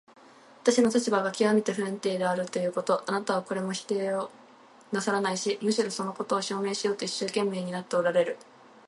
私の立場がきわめて不安定であるということ、これはあなたも否定なさらないし、むしろそのことを証明しようと一生懸命になっておられる。